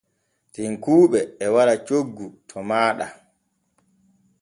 Tekkuuɓe e wara coggu to maaɗa.